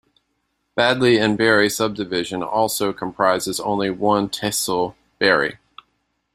Badli and Beri sub-division also comprises only one tehsil, Beri.